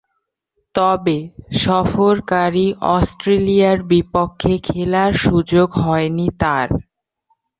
তবে সফরকারী অস্ট্রেলিয়ার বিপক্ষে খেলার সুযোগ হয়নি তার।